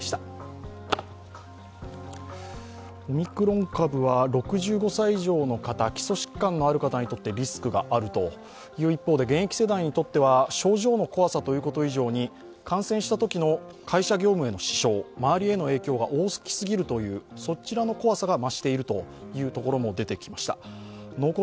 オミクロン株は６５歳以上の方、基礎疾患のある方にとってリスクがあるという一方で、現役世代にとっては症状の怖さということ以上に感染したときの会社業務への支障、周りへの影響が大きすぎるという、そちらの怖さが増しているというところも出てきました。